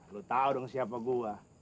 lo tau dong siapa gua